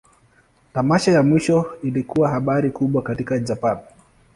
Tamasha ya mwisho ilikuwa habari kubwa katika Japan.